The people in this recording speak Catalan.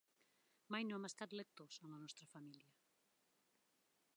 Mai no hem estat lectors, a la nostra família.